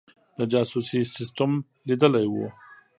د جاسوسي سسټم لیدلی وو.